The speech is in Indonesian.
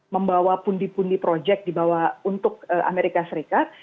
membawa pundi pundi projek untuk amerika serikat